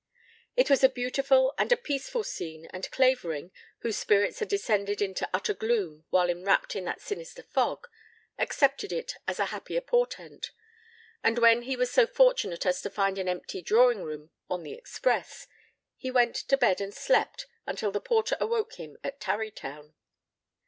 It was a beautiful and a peaceful scene and Clavering, whose spirits had descended into utter gloom while enwrapped in that sinister fog, accepted it as a happier portent; and when he was so fortunate as to find an empty drawing room on the Express, he went to bed and slept until the porter awoke him at Tarrytown.